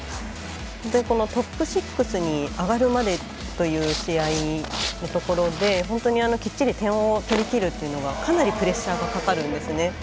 このトップ６に上がるまでという試合というところで本当にきっちり点を取りきるっていうのがかなりプレッシャーかかるんですね。